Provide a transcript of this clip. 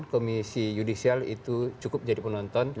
komisi yudisial itu cukup jadi penonton